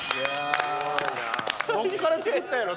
どこから作ったんやろ？